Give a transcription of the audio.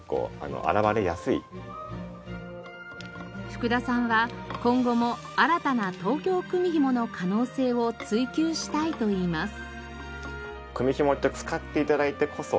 福田さんは今後も新たな東京くみひもの可能性を追求したいといいます。